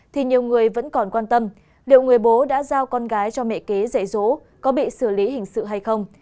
thì nhiều người vẫn còn quan tâm liệu người bố đã giao con gái cho mẹ kế dạy dỗ có bị xử lý hình sự hay không